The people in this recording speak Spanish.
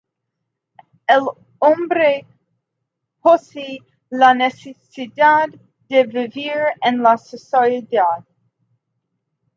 El hombre posee la necesidad de vivir en sociedad.